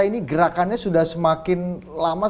ini gerakannya sudah semakin lama